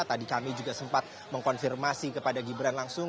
tadi kami juga sempat mengkonfirmasi kepada gibran langsung